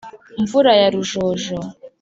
nvura y’urujojo